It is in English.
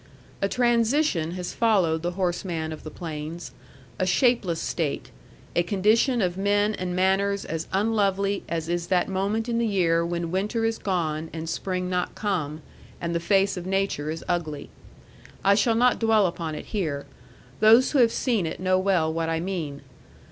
A transition has followed the horseman of the plains; a shapeless state, a condition of men and manners as unlovely as is that moment in the year when winter is gone and spring not come, and the face of Nature is ugly. I shall not dwell upon it here. Those who have seen it know well what I mean.